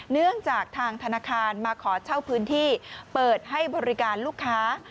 เนื่องจากทางธนาคารมาขอเช่าพื้นที่เปิดให้บริการลูกค้า